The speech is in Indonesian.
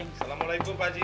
assalamualaikum pak ji